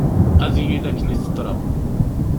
Ad yili akken i teḍra.